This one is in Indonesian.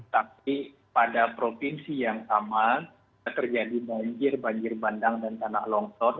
tapi pada provinsi yang sama terjadi banjir banjir bandang dan tanah longsor